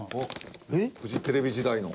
フジテレビ時代の。